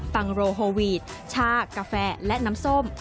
ปังโรโฮวีดชากาแฟและน้ำส้ม